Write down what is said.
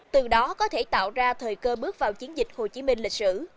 từ đó có thể tạo ra thời cơ bước vào chiến dịch hồ chí minh lịch sử